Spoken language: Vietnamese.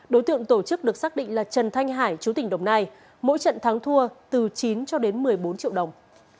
đối tượng tổ chức được xác định là trần thanh hải chú tỉnh đồng nai mỗi trận thắng thua từ chín cho đến một mươi bốn triệu đồng